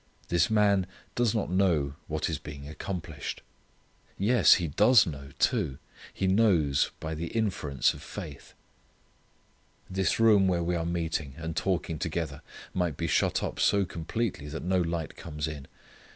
This man does not know what is being accomplished. Yes! He does know, too. He knows by the inference of faith. This room where we are meeting and talking together might be shut up so completely that no light comes in.